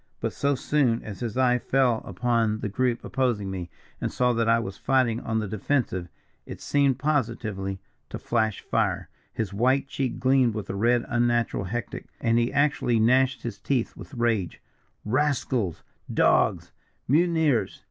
But so soon as his eye fell upon the group opposing me, and saw that I was fighting on the defensive, it seemed positively to flash fire his white cheek gleamed with a red unnatural hectic and he actually gnashed his teeth with rage. 'Rascals! Dogs! Mutineers!'